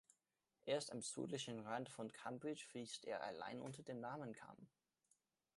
Erst am südlichen Rand von Cambridge fließt er allein unter dem Namen Cam.